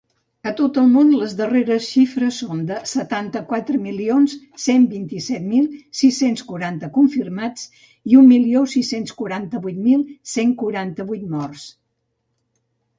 A tot el món, les darreres xifres són de setanta-quatre milions cent vint-i-set mil sis-cents quaranta confirmats i un milió sis-cents quaranta-vuit mil cent quaranta-vuit morts.